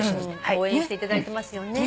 応援していただいてますよね。